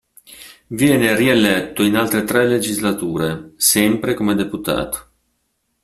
Viene rieletto in altre tre legislature, sempre come deputato.